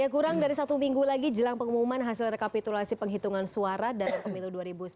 kurang dari satu minggu lagi jelang pengumuman hasil rekapitulasi penghitungan suara dalam pemilu dua ribu sembilan belas